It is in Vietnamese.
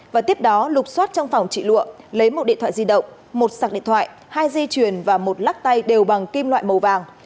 và tiếp đó lục xót trong phòng chị lụa lấy một điện thoại di động một sạc điện thoại hai di chuyển và một lắc tay đều bằng kim loại màu vàng